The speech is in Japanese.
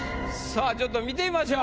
さぁちょっと見てみましょう。